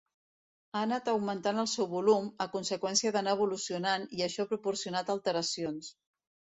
Ha anat augmentant el seu volum, a conseqüència d’anar evolucionant, i això ha proporcionat alteracions.